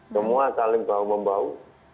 semua saling bau membau